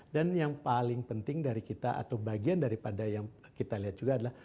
dan yang paling penting dari kita atau bagian daripada yang kita lihat juga adalah